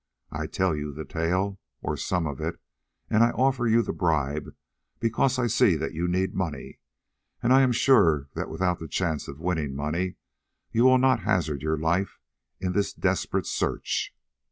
I tell you the tale, or some of it, and I offer you the bribe because I see that you need money, and I am sure that without the chance of winning money you will not hazard your life in this desperate search.